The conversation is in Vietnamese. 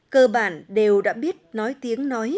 cơ bản đều đã biết nói tiếng nói